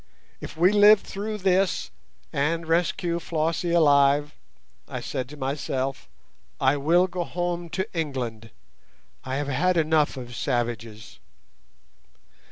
'If we live through this and rescue Flossie alive,' I said to myself, 'I will go home to England; I have had enough of savages.